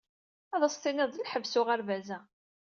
Ad s-tiniḍ d lḥebs uɣerbaz-a.